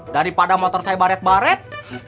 daripada motor saya baret baret